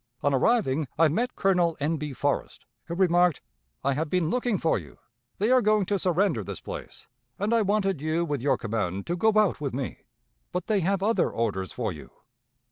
On arriving I met Colonel N. B. Forrest, who remarked: 'I have been looking for you; they are going to surrender this place, and I wanted you with your command to go out with me, but they have other orders for you.'